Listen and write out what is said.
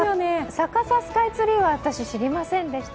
逆さスカイツリーは私、知りませんでした。